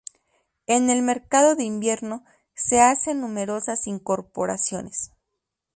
En el mercado de invierno se hacen numerosas incorporaciones.